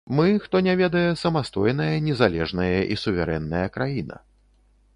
Мы, хто не ведае, самастойная незалежная і суверэнная краіна.